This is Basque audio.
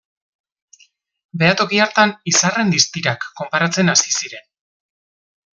Behatoki hartan izarren distirak konparatzen hasi ziren.